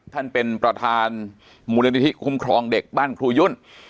ท่านประธานเป็นประธานมูลนิธิคุ้มครองเด็กบ้านครูยุ่น